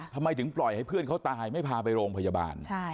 ทำไมถึงปล่อยให้เพื่อนเขาตายไม่พาไปโรงพยาบาล